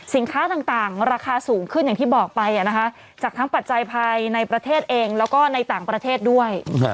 สินค้าต่างราคาสูงขึ้นอย่างที่บอกไปจากทั้งปัจจัยภายในประเทศเองแล้วก็ในต่างประเทศด้วย